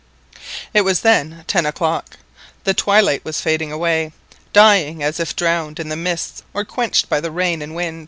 It was then ten o'clock. The twilight was fading away, dying as if drowned in the mists or quenched by the wind and the rain.